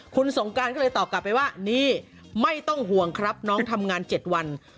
คุณสงการก็เลยตอบกลับไปว่านี่ไม่ต้องห่วงครับน้องทำงาน๗วัน